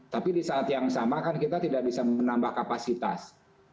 tapi di saat yang sama kan kita tidak bisa menambah kapasitas